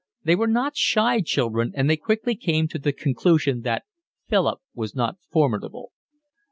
They were not shy children, and they quickly came to the conclusion that Philip was not formidable.